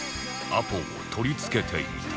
アポを取り付けていた